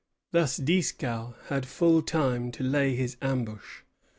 Thus Dieskau had full time to lay his ambush.